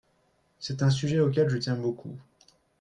C’est un sujet auquel je tiens beaucoup.